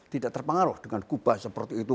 tidak terpengaruh dengan kubah seperti itu